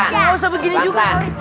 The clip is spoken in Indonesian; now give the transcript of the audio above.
ya nggak usah begini juga